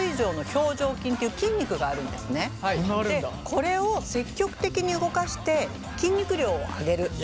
これを積極的に動かして筋肉量を上げる。